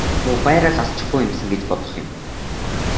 Муу байраа л алдчихгүй юмсан гэж бодох юм.